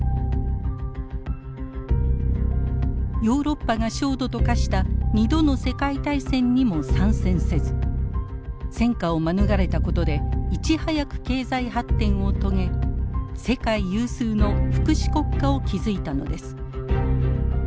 ヨーロッパが焦土と化した２度の世界大戦にも参戦せず戦火を免れたことでいち早く経済発展を遂げ世界有数の福祉国家を築いたのです。